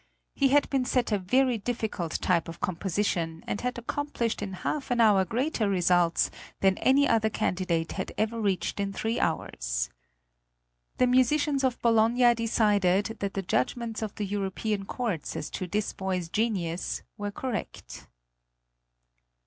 He had been set a very difficult type of composition, and had accomplished in half an hour greater results than any other candidate had ever reached in three hours. The musicians of Bologna decided that the judgments of the European courts as to this boy's genius were correct.